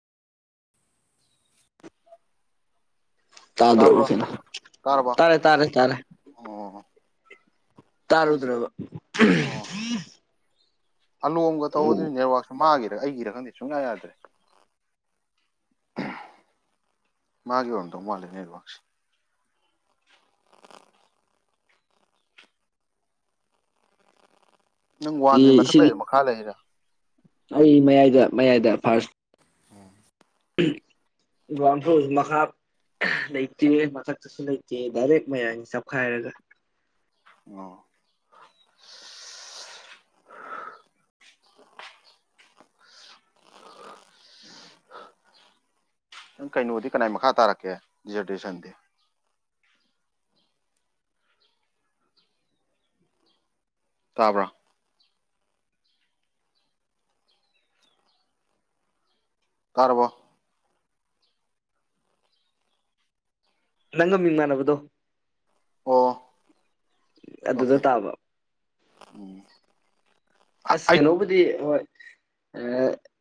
[unintelligible] ꯇꯥꯗ꯭ꯔꯕ ꯇꯔꯕ ꯀꯩꯅꯣ ꯇꯔꯕ ꯇꯥꯔꯦ ꯇꯥꯔꯦ ꯇꯥꯔꯦ ꯑꯣ ꯑꯩꯁꯦ ꯇꯥꯔꯨꯗ꯭ꯔꯕ ꯑꯣ ꯑꯂꯣꯝꯒ ꯇꯧꯕꯗꯨꯅ ꯅꯦꯠꯋꯥꯛꯁꯨ ꯃꯥꯒꯤꯔ ꯑꯩꯒꯤꯔꯥ ꯈꯪꯗꯦ ꯁꯨꯡꯌꯥ ꯌꯥꯗ꯭ꯔꯦ ꯃꯥꯒꯤ ꯑꯣꯏꯅꯗꯧ ꯃꯥꯜꯂꯦ ꯅꯦꯠꯋꯥꯛꯁꯦ ꯑ ꯅꯪ ꯋꯥꯟꯗꯗꯤ ꯃꯊꯛ ꯁꯤꯒꯤ ꯂꯩꯔꯦꯥ ꯃꯈꯥ ꯂꯩꯔꯥ ꯑꯩ ꯃꯌꯥꯏꯗ ꯃꯌꯥꯏꯗ ꯐꯥꯔꯁ [unintelligible] ꯂꯩꯇꯦ ꯃꯊꯛꯇꯁꯨ ꯂꯩꯇꯦ ꯗꯥꯏꯔꯦꯛ ꯃꯌꯥꯡ ꯆꯞꯈꯥꯏꯔꯒ ꯑꯣ [unintelligible] [unintelligible] ꯅꯪ ꯀꯩꯅꯣꯗꯤ ꯀꯅꯥꯏ ꯃꯈꯥ ꯇꯥꯔꯛꯀꯦ ꯔꯤꯖꯔꯔꯕꯦꯁꯟꯗꯤ ꯇꯥꯕ꯭ꯔꯥ ꯇꯥꯔꯔꯕꯣ ꯅꯪꯒ ꯃꯤꯃꯥꯟꯅꯕꯗꯣ ꯑꯣ ꯑꯗꯨꯗ ꯑꯣꯀꯦ ꯇꯥꯕ ꯎꯝ ꯑꯁ ꯑꯩ ꯀꯩꯅꯣꯕꯨꯗꯤ ꯍꯣꯏ ꯑ